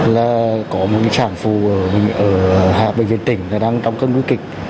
là có một trạng phù ở hạ bệnh viện tỉnh đang trong cơn nguyên kịch